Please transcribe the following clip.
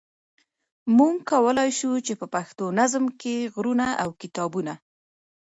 موږ کولای شو چې په پښتو نظم کې غرونه او کتابونه.